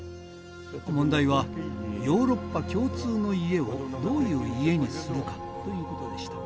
問題は「ヨーロッパ共通の家」をどういう家にするかということでした。